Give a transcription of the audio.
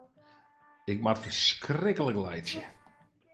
Ik moat ferskriklik laitsje.